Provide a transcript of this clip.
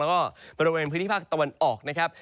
แล้วก็บริเวณพื้นที่ภาคตะวันออกนะครับ